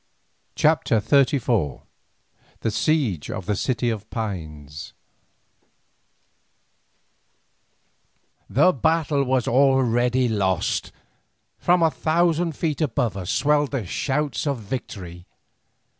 CHAPTER XXXIV THE SIEGE OF THE CITY OF PINES The battle was already lost. From a thousand feet above us swelled the shouts of victory.